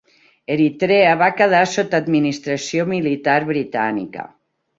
Eritrea va quedar sota administració militar britànica.